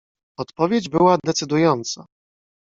"Odpowiedź była decydująca."